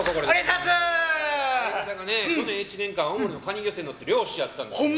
この１年間、カニ漁船乗って漁師やったんですよ。